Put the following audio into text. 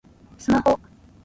スマホ